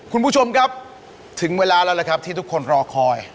คุณผู้ชมครับถึงเวลาแล้วนะครับที่ทุกคนรอคอย